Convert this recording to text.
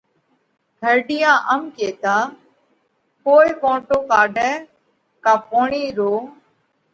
گھرڍِيئا ام ڪيتا: ڪوئي ڪونٽو ڪاڍئہ ڪا پوڻِي رو